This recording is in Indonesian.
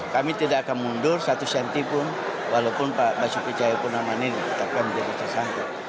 kami tidak akan mundur satu sentipun walaupun pak basuki cahaya purnama ini ditetapkan menjadi tersangka